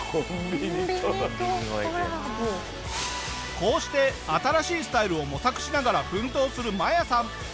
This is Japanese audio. こうして新しいスタイルを模索しながら奮闘するマヤさん。